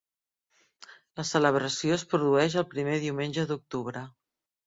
La celebració es produeix el primer diumenge d'octubre.